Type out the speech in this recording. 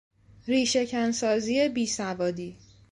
ریشه کن سازی بیسوادی